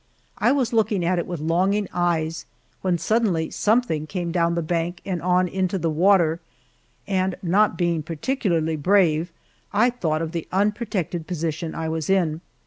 I was looking at it with longing eyes when suddenly something came down the bank and on into the water, and not being particularly brave, I thought of the unprotected position I was in.